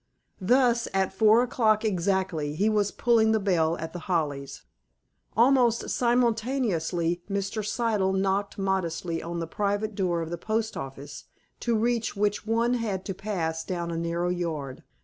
Thus, at four o'clock exactly, he was pulling the bell at The Hollies. Almost simultaneously, Mr. Siddle knocked modestly on the private door of the post office, to reach which one had to pass down a narrow yard.